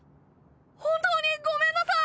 本当にごめんなさい。